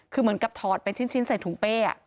คือเหมือนกับถอดเป็นชิ้นใส่ถุงเป้